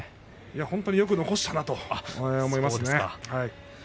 本当によく残したなと思いますね。